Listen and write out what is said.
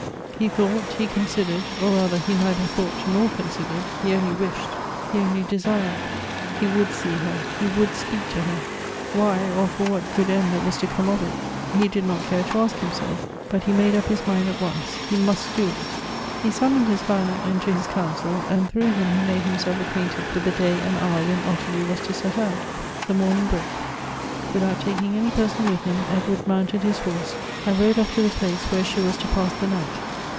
He thought, he considered, or rather he neither thought nor con sidered ; he only wished — he only desii ed. He would see her ; he would speak to her. Why, or for what good end that was to come of it, he did not care to ask him self; but he made up his mind at once. He must do it. Elective Affinities. 299 He summoned his valet into his council, and through him he made himself acquainted with the day and hour when Ottilie was to set out. The morning broke. With out taking any person with him, Edward mounted his horse, and rode off to the place where she was to pass the night.